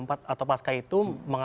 atau pasca itu